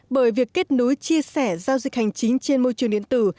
bởi việc kết nối chia sẻ giao dịch hành chính trên môi trường điện tử